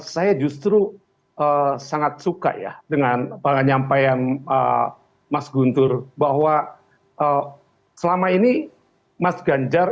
saya justru sangat suka ya dengan penyampaian mas guntur bahwa selama ini mas ganjar